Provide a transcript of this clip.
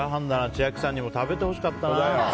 千秋さんにも食べてほしかったな。